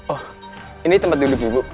oh ini tempat duduk ibu